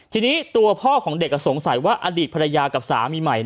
ทีนี้ตัวพ่อของเด็กสงสัยว่าอดีตภรรยากับสามีใหม่